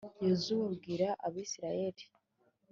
yozuwe abwira abayisraheli